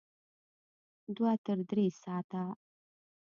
دوه تر درې ساعته